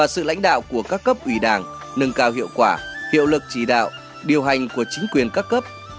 sự lãnh đạo của các cấp ủy đảng nâng cao hiệu quả hiệu lực chỉ đạo điều hành của chính quyền các cấp